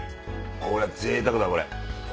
これぜいたくだこれ。